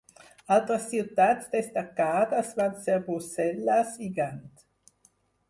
Altres ciutats destacades van ser Brussel·les i Gant.